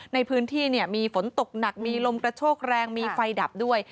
ในพื้นที่มีฝนตกหนักมีลมกระโชกแรงมีไฟดับด้วย